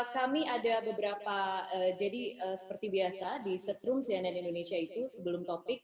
kami ada beberapa jadi seperti biasa di setrum cnn indonesia itu sebelum topik